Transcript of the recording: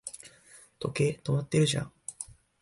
時計、止まってるじゃん